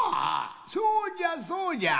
そうじゃそうじゃ！